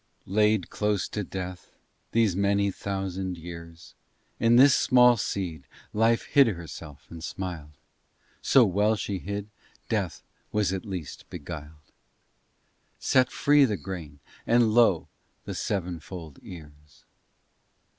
LAID close to Death, these many thousand years, In this small seed Life hid herself and smiled; So well she hid, Death was at least beguiled, Set free the grain and lo! the sevenfold ears!